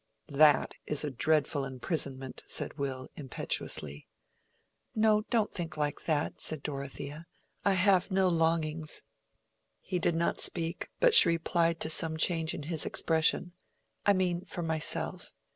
"That is a dreadful imprisonment," said Will, impetuously. "No, don't think that," said Dorothea. "I have no longings." He did not speak, but she replied to some change in his expression. "I mean, for myself.